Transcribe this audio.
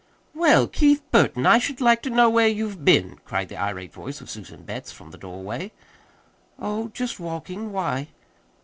"Well, Keith Burton, I should like to know where you've been," cried the irate voice of Susan Betts from the doorway. "Oh, just walking. Why?"